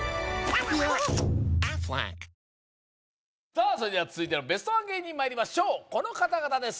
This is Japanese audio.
さあそれでは続いてのベストワン芸人まいりましょうこの方々です